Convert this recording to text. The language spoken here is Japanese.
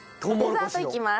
デザートいきます。